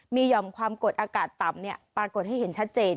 มีหย่อมความกดอากาศต่ำปรากฏให้เห็นชัดเจน